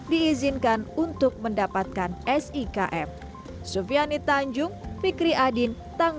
diizinkan untuk mendapatkan sikm